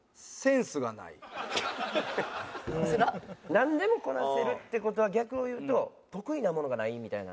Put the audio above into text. なんでもこなせるって事は逆を言うと得意なものがないみたいな。